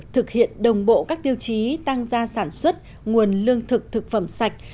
thực hiện đồng bộ các tiêu chí tăng gia sản xuất nguồn lương thực thực phẩm sạch